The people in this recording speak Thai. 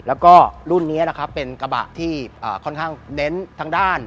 แล้วก็รุ่นนี้นะครับเป็นกระบะที่ค่อนข้างเน้นทางด้าน